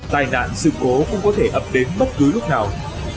tai nạn sự cố cũng có thể ập đến bất cứ lúc nào